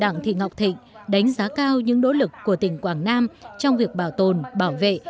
đặng thị ngọc thịnh đánh giá cao những nỗ lực của tỉnh quảng nam trong việc bảo tồn bảo vệ